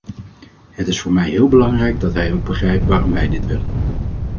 Het is voor mij heel belangrijk dat hij ook begrijpt waarom wij dit willen.